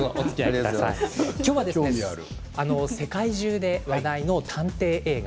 今日は世界中で話題の探偵映画。